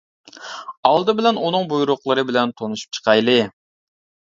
ئالدى بىلەن ئۇنىڭ بۇيرۇقلىرى بىلەن تونۇشۇپ چىقايلى.